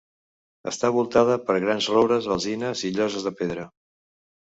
Està voltada per grans roures, alzines i lloses de pedra.